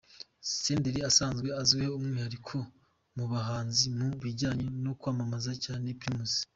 Senderi asanzwe azwiho umwihariko mu bahanzi mu bijyanye no kwamamaza cyane Primus.